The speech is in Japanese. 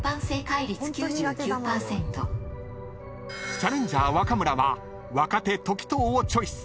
［チャレンジャー若村は若手時任をチョイス］